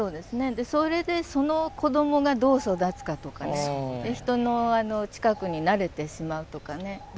それでその子どもがどう育つかとかね人の近くに慣れてしまうとかね。